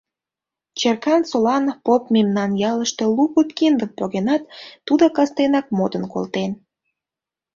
Черкан солан поп мемнан ялыште лу пуд киндым погенат, тудо кастенак модын колтен...